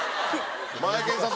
マエケンさん